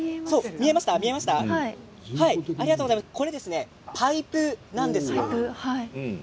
これはパイプなんです。